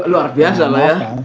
luar biasa lah ya